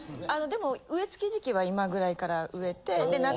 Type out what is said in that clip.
でも植え付け時期は今ぐらいから植えて。